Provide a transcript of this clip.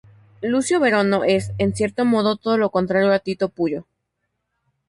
Lucio Voreno es, en cierto modo, todo lo contrario a Tito Pullo.